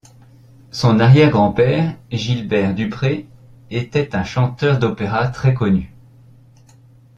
Son arrière-grand-père, Gilbert Duprez, était un chanteur d'opéra très connu.